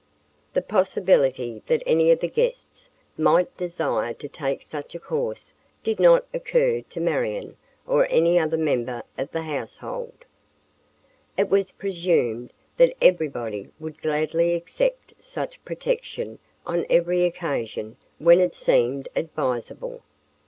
The possibility that any of the guests might desire to take such a course did not occur to Marion or any other member of the household. It was presumed that everybody would gladly accept such protection on every occasion when it seemed advisable.